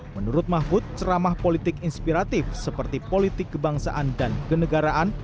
menurut mahfud ceramah politik inspiratif seperti politik kebangsaan dan kenegaraan